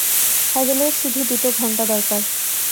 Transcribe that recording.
হ্যাজেলের শুধু দুটো ঘন্টা দরকার।